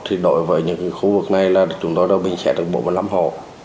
thì đối với những khu vực này là chúng tôi đã bình xét được bốn mươi năm hộ